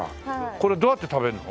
これどうやって食べるの？